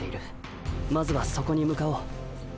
まずはそこに向かおう。